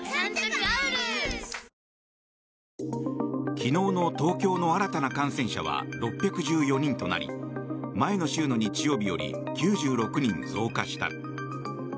昨日の東京の新たな感染者は６１４人となり前の週の日曜日より９６人増加した。